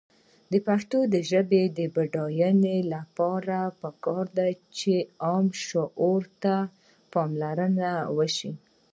د پښتو ژبې د بډاینې لپاره پکار ده چې عام شعور ته پاملرنه وشي.